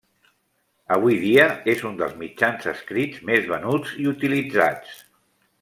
Avui dia és un dels mitjans escrits més venuts i utilitzats.